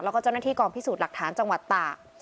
และเจ้าหน้าธีกองพิสูจน์ประดับหลักฐานจังหวัดตาก